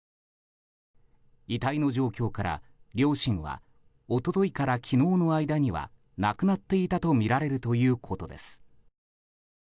遺体の状況から両親は一昨日から昨日の間には亡くなっていたとみられるということです。